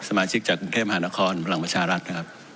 สมาชิกจากกรุงเทพมหานครพลังประชารัฐนะครับ